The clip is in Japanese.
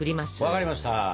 分かりました！